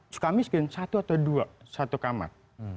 suka miskin satu atau dua satu kamar